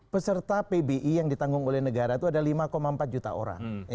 peserta pbi yang ditanggung oleh negara itu ada lima empat juta orang